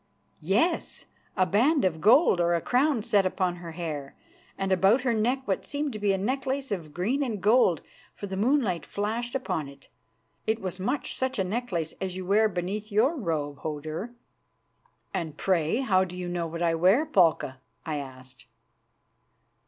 "Yes, a band of gold or a crown set upon her hair, and about her neck what seemed to be a necklace of green and gold, for the moonlight flashed upon it. It was much such a necklace as you wear beneath your robe, Hodur." "And pray how do you know what I wear, Palka?" I asked.